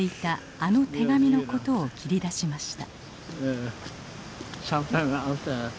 あの手紙の事を切り出しました。